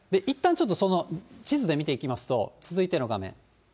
いったんちょっとその地図で見ていきますと、続いての画面。